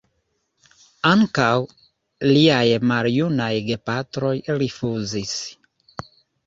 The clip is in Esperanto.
Ankaŭ liaj maljunaj gepatroj rifuzis.